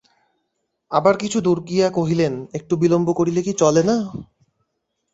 আবার কিছু দূর গিয়া কহিলেন, একটু বিলম্ব করিলে কি চলে না।